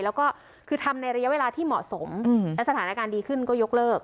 แล้วก็คือทำในระยะเวลาที่เหมาะสมและสถานการณ์ดีขึ้นก็ยกเลิก